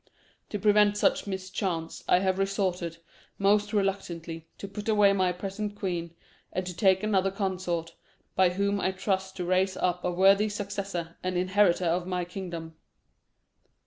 To prevent such mischance I have resolved, most reluctantly, to put away my present queen, and to take another consort, by whom I trust to raise up a worthy successor and inheritor of my kingdom."